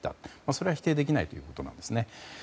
それは否定できないことです。